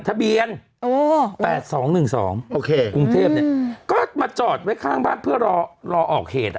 ทะเบียน๘๒๑๒โอเคกรุงเทพเนี่ยก็มาจอดไว้ข้างบ้านเพื่อรอออกเหตุ